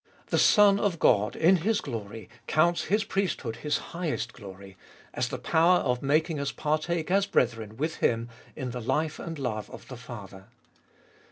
The Son of God in His glory counts His priesthood His highest glory, as the power of making us partake as brethren with Him in the life and love of the Father.